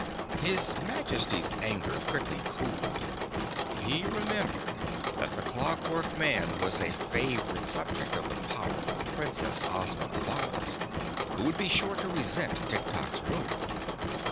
His Majesty's anger quickly cooled. He remembered that the Clockwork Man was a favorite subject of the powerful Princess, Ozma of Oz, who would be sure to resent Tiktok's ruin.